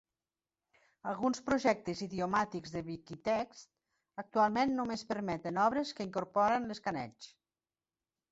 Alguns projectes idiomàtics de Viquitexts actualment només permeten obres que incorporen l'escaneig.